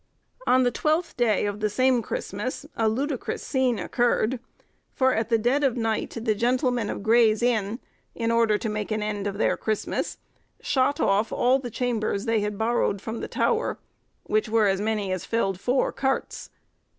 On the Twelfth Day in the same Christmas, a ludicrous scene occurred, for at dead of night, the gentlemen of Gray's Inn, in order to make an end of their Christmas, shot off all the chambers they had borrowed from the Tower, which were as many as filled four carts.